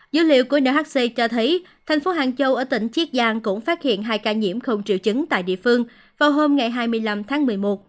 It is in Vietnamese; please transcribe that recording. dữ liệu của nhc cho thấy thành phố hàng châu ở tỉnh chiết giang cũng phát hiện hai ca nhiễm không triệu chứng tại địa phương vào hôm ngày hai mươi năm tháng một mươi một